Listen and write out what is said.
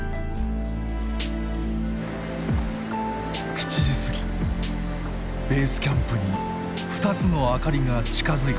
７時過ぎベースキャンプに２つの明かりが近づいてきた。